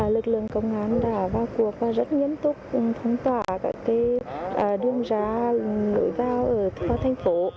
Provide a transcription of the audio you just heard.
lực lượng công an đã vào cuộc và rất nghiêm túc phong tỏa các đường ra lối vào thành phố